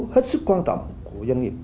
hết sức quan trọng của doanh nghiệp